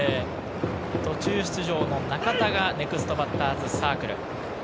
途中出場の中田がネクストバッターズサークル。